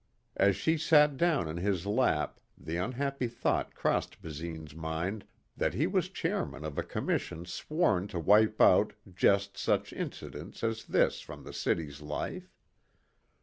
As she sat down in his lap the unhappy thought crossed Basine's mind that he was chairman of a commission sworn to wipe out just such incidents as this from the city's life.